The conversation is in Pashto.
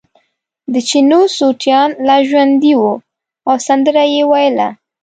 د چینو سوټیان لا ژوندي وو او سندره یې ویله.